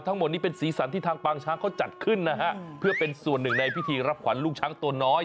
ทั้งหมดนี้เป็นสีสันที่ทางปางช้างเขาจัดขึ้นนะฮะเพื่อเป็นส่วนหนึ่งในพิธีรับขวัญลูกช้างตัวน้อย